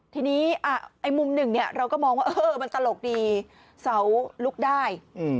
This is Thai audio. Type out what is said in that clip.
ทีนี้ไอ้มุมหนึ่งเนี่ยเราก็มองว่ามันตลกดีเสาลุกได้